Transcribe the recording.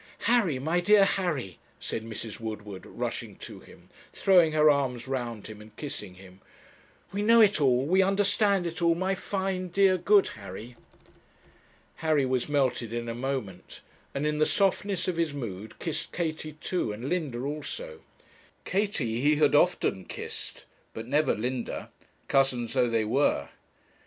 'Harry, my dear Harry,' said Mrs. Woodward, rushing to him, throwing her arms round him, and kissing him; 'we know it all, we understand it all my fine, dear, good Harry.' Harry was melted in a moment, and in the softness of his mood kissed Katie too, and Linda also. Katie he had often kissed, but never Linda, cousins though they were.